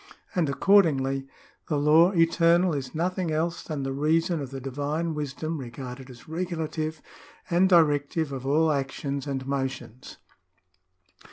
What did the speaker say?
... And accordingly the law eternal is nothing else than the reason of the divine wisdom regarded as regulative and directive of all actions and motions."